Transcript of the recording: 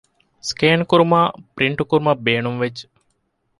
ސްކޭން ކުރުމާއި ޕްރިންޓް ކުރުމަށް ބޭނުންވެއްޖެ